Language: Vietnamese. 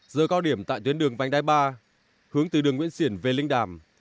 giờ cao điểm tại tuyến đường vành đai ba hướng từ đường nguyễn xiển về linh đàm